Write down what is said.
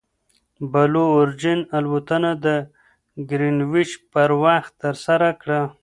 بلو اوریجن الوتنه د ګرینویچ پر وخت ترسره کړه.